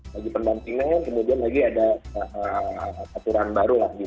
lagi pembantinan kemudian lagi ada aturan baru